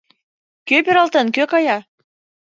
Кӧ пералтен, кӧ кая?